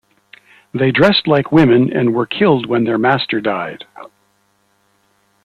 They dressed like women and were killed when their master died.